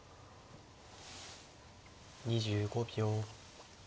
２５秒。